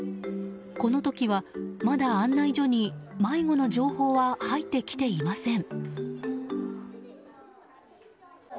この時は、まだ案内所に迷子の情報は入ってきていません。